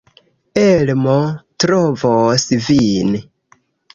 Elmo trovos vin.